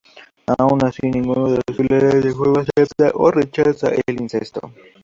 Aun así, ninguno de los finales del juego acepta o rechaza el incesto.